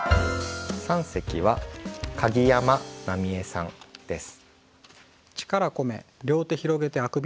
三席は鍵山奈美江さんです。